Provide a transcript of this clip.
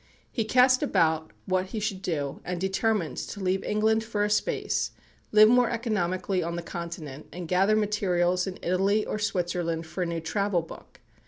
He cast about what he should do, and determined to leave England for a space, live more economically on the Continent, and gather materials in Italy or Switzerland for a new travel book.